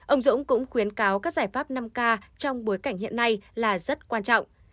ông dũng cũng khuyến cáo các giải pháp năm k trong bối cảnh hiện nay là rất quan trọng